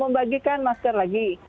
kita bagikan masker lagi